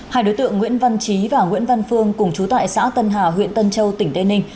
hai đối tượng nguyễn văn trí và nguyễn văn phương cùng chú tại xã tân hà huyện tân châu tỉnh tây ninh